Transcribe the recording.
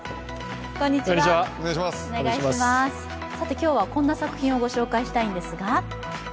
今日はこんな作品をご紹介したいんですが。